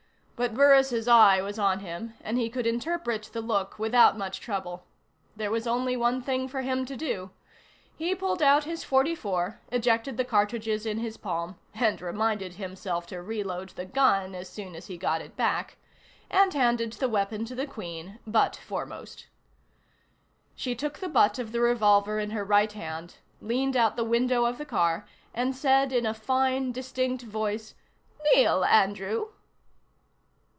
But Burris' eye was on him, and he could interpret the look without much trouble. There was only one thing for him to do. He pulled out his .44, ejected the cartridges in his palm (and reminded himself to reload the gun as soon as he got it back), and handed the weapon to the Queen, butt foremost. She took the butt of the revolver in her right hand, leaned out the window of the car, and said in a fine, distinct voice: "Kneel, Andrew."